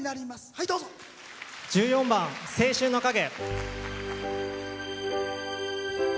１４番「青春の影」。